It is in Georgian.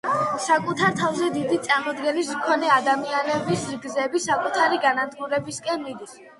საკუთარ თავზე დიდი წარმოდგენის მქონე ადამიანების გზები საკუთარი განადგურებისკენ მიდის.